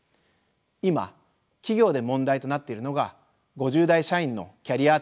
今企業で問題となっているのが５０代社員のキャリア停滞です。